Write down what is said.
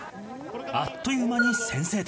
あっという間に先制点。